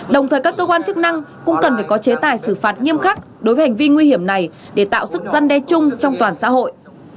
đồng thời các cơ quan chức năng cũng cần phải có chế tài xử phạt nghiêm khắc đối với hành vi nguy hiểm này để tạo sức dân đe chung trong toàn xã hội